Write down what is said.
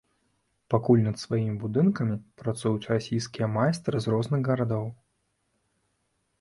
Пакуль над сваімі будынкамі працуюць расійскія майстры з розных гарадоў.